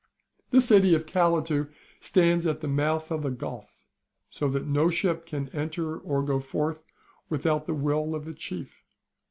This City of Calatu stands at the mouth of the Gulf, so that no ship can enter or go forth without the will of the chief.